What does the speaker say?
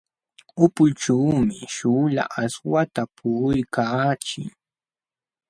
Ulpućhuumi śhuula aswata puquykaachii.